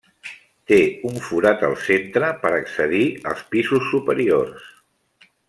Té un forat al centre per accedir als pisos superiors.